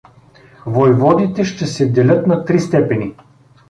Войводите ще се делят на три степени.